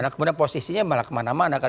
kemudian posisinya malah kemana mana kan